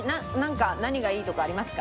何がいいとかありますか？